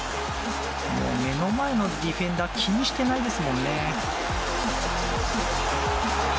目の前のディフェンダーを気にしていないですもんね。